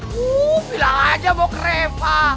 tuh bilang aja mau kerepa